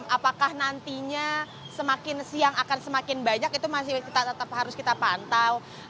apakah nantinya semakin siang akan semakin banyak itu masih tetap harus kita pantau